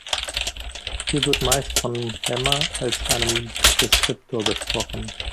Hier wird meist vom Lemma als einem "Deskriptor" gesprochen.